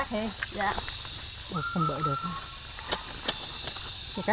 không bợ được